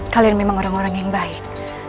kalian memang orang orang yang baik